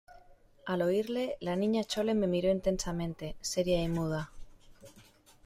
al oírle, la Niña Chole me miró intensamente , seria y muda.